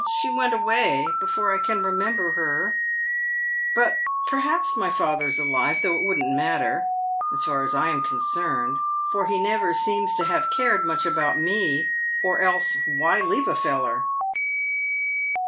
" She went away before I can 174 PAYED WITH GOLD. remember her ; but perhaps my father's alive — though it wouldn't matter, as far as I am concerned, for he never seems to have cared much about me, or else, why did he leave a fellar